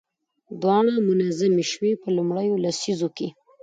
دواړه منظمې شوې. په لومړيو لسيزو کې